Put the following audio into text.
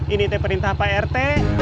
ini perintah pak rt